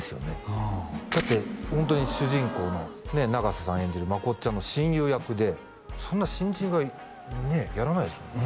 うんだってホントに主人公のね長瀬さん演じるまこっちゃんの親友役でそんな新人がねやらないですもんね